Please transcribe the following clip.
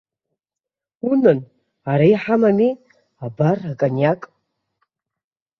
Унан, ара иҳамами, абар, акониак!